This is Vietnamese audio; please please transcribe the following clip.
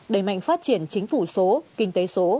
đẩy mạnh phát triển chính phủ số kinh tế số